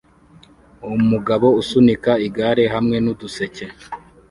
Umugabo usunika igare hamwe nuduseke